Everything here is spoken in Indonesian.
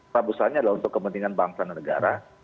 prabusannya adalah untuk kepentingan bangsa dan negara